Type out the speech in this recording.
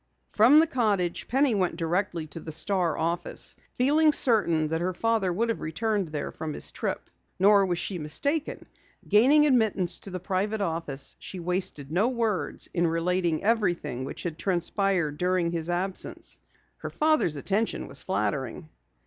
From the cottage Penny went directly to the Star office, feeling certain that her father would have returned there from his trip. Nor was she mistaken. Gaining admittance to the private office, she wasted no words in relating everything which had transpired during his absence. Her father's attention was flattering.